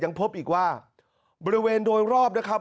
พบอีกว่าบริเวณโดยรอบนะครับ